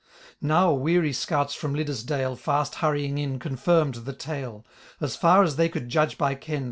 Now weary scouts from Liddesdale, Fast huirying in, confirmed the tale ; As ^ as they could judge by ken.